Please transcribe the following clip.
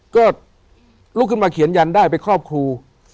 ก็ลุกขึ้นมาเขียนยันได้ไปครอบครู